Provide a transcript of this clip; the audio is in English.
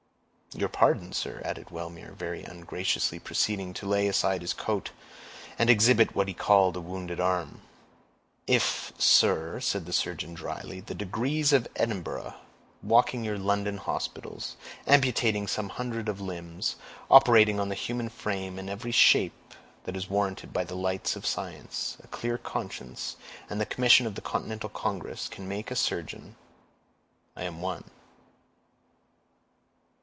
"Your pardon, sir," added Wellmere, very ungraciously proceeding to lay aside his coat, and exhibit what he called a wounded arm. "If, sir," said the surgeon dryly, "the degrees of Edinburgh—walking your London hospitals—amputating some hundreds of limbs—operating on the human frame in every shape that is warranted by the lights of science, a clear conscience, and the commission of the Continental Congress, can make a surgeon, I am one."